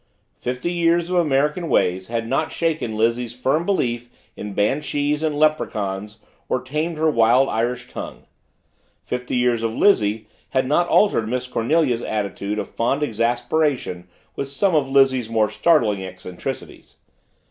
Fifty years of American ways had not shaken Lizzie's firm belief in banshees and leprechauns or tamed her wild Irish tongue; fifty years of Lizzie had not altered Miss Cornelia's attitude of fond exasperation with some of Lizzie's more startling eccentricities.